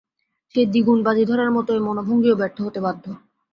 সেই দ্বিগুণ বাজি ধরার মতো এই মনোভঙ্গিও ব্যর্থ হতে বাধ্য।